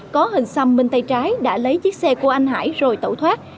có hình xăm bên tay trái đã lấy chiếc xe của anh hải rồi tẩu thoát